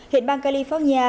hiện bang california